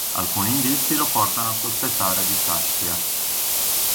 Alcuni indizi lo portano a sospettare di Saskia.